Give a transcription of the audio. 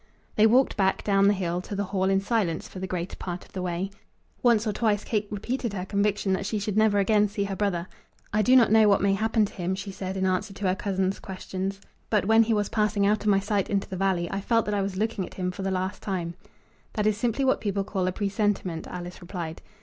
They walked back, down the hill, to the Hall in silence for the greater part of the way. Once or twice Kate repeated her conviction that she should never again see her brother. "I do not know what may happen to him," she said in answer to her cousin's questions; "but when he was passing out of my sight into the valley, I felt that I was looking at him for the last time." "That is simply what people call a presentiment," Alice replied.